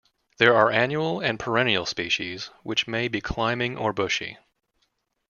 There are annual and perennial species which may be climbing or bushy.